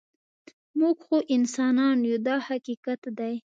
موږ خو انسانان یو دا حقیقت دی.